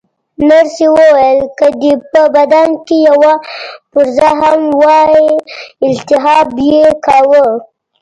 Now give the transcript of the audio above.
نرسې وویل: که دې په بدن کې یوه پرزه هم وای، التهاب یې کاوه.